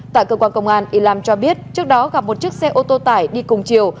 tại cơ quan công an y lam cho biết trước đó gặp một chiếc xe ô tô tải đi cùng chiều